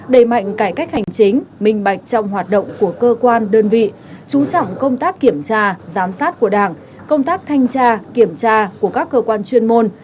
đẩy mạnh cải cách hành chính minh bạch trong hoạt động của cơ quan đơn vị chú trọng công tác kiểm tra giám sát của đảng công tác thanh tra kiểm tra của các cơ quan chuyên môn